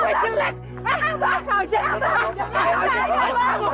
bukanya keisi saya tapi kau yang jelek